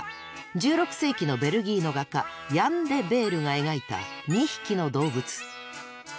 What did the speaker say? １６世紀のベルギーの画家ヤン・デ・ベールが描いた２匹の動物。